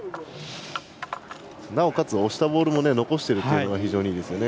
なおかつ押したボールも残しているのが非常にいいですよね。